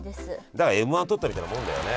だからＭ−１取ったみたいなもんだよね。